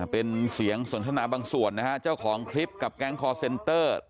เป็นเสียงสนทนาบางส่วนนะฮะเจ้าของคลิปกับแก๊งคอร์เซนเตอร์